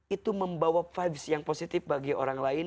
itu membawa vibes yang positif bagi orang lain